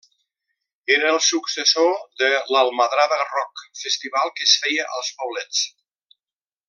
Era el successor de l'Almadrava Rock, festival que es feia als Poblets.